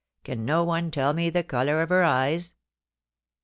Can no one tell me the colour of her eyes